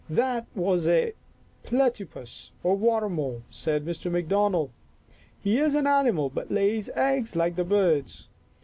" That was a platypus, or water mole," said Mr. McDonald. " He is an animal but lays eggs like the birds.